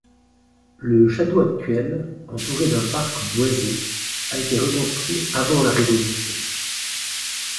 Le château actuel, entouré d'un parc boisé, a été reconstruit avant la Révolution.